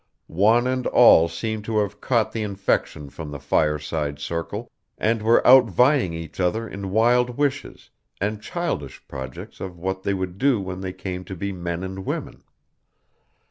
One and all seemed to have caught the infection from the fireside circle, and were outvying each other in wild wishes, and childish projects of what they would do when they came to be men and women.